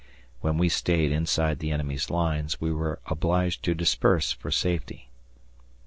(When we stayed inside the enemy's lines we were obliged to disperse for safety.)